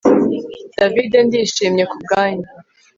David ndishimye kubwanyu